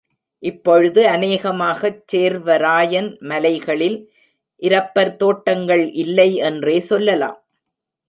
இப்பொழுது அநேகமாகச் சேர்வராயன் மலைகளில் இரப்பர் தோட்டங்கள் இல்லை என்றே சொல்லலாம்.